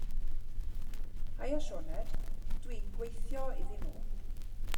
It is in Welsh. Haia Sioned, dwi'n gweithio iddyn nhw.